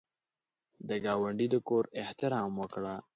د ګاونډي د کور احترام وکړه